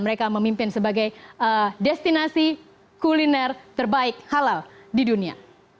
mereka memimpin sebagai destinasi kuliner terbaik halal di dunia